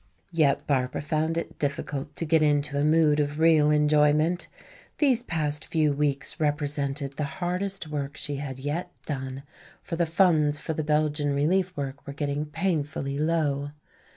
Yet Barbara found it difficult to get into a mood of real enjoyment. These past few weeks represented the hardest work she had yet done, for the funds for the Belgian Relief work were getting painfully low.